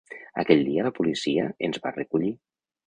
Aquell dia la policia ens va recollir.